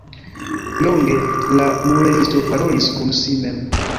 Longe la muelisto parolis kun si mem.